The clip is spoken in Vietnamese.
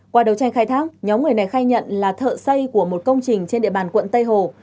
qua đầu tranh khai thác nhóm người này khai nhận là thợ xây của một công trình trên địa bàn quận tây hồ